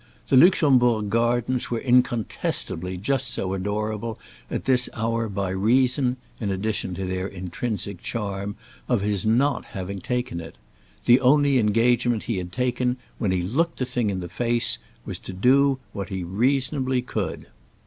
The Luxembourg Gardens were incontestably just so adorable at this hour by reason—in addition to their intrinsic charm—of his not having taken it. The only engagement he had taken, when he looked the thing in the face, was to do what he reasonably could.